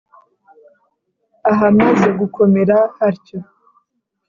ahamaze gukomera hatyo.